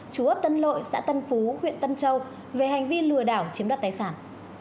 cơ quan cảnh sát điều tra công an huyện tân châu về hành vi lừa đảo chiếm đoạt tài sản